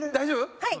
はい！